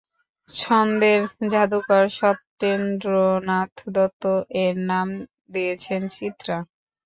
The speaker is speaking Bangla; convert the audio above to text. ছন্দের জাদুকর সত্যেন্দ্রনাথ দত্ত এর নাম দিয়েছেন ‘চিত্রা’।